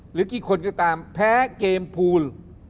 หรือกี่คนก็ตามแพ้เกมภูล